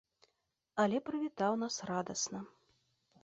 Але прывітаў нас радасна.